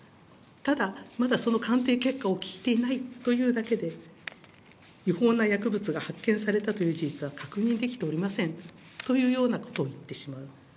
ただ、まだその鑑定結果を聞いていないというだけで、違法な薬物が発見されたという事実は確認できておりませんというようなことを言ってしまう。